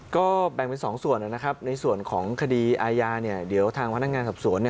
ก็แบ่งเป็น๒ส่วนนะครับในส่วนของคดีอาญาเดี๋ยวทางพนักงานสอบสวน